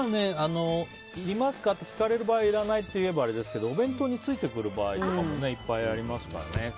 いりますか？って聞かれる場合いらないって言えばあれですけどお弁当についてくる場合とかもいっぱいありますからね。